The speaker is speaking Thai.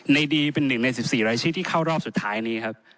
ดีเป็นหนึ่งใน๑๔รายชื่อที่เข้ารอบสุดท้ายนี้ครับ